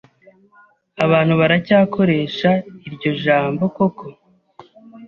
Abantu baracyakoresha iryo jambo koko?